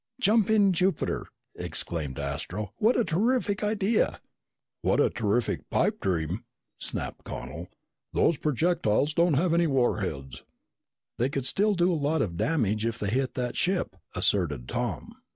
"Jumping Jupiter!" exclaimed Astro. "What a terrific idea!" "What a terrific pipe dream!" snapped Connel. "Those projectiles don't have any warheads!" "They could still do a lot of damage if they hit that ship," asserted Tom.